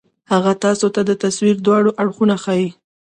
هغه تاسو ته د تصوير دواړه اړخونه ښائي